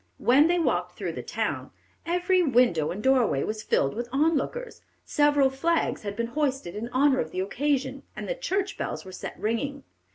When they walked through the town, "every window and doorway was filled with on lookers, several flags had been hoisted in honor of the occasion, and the church bells were set ringing.